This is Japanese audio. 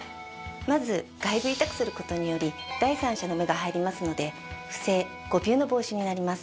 まず外部委託する事により第三者の目が入りますので不正誤謬の防止になります。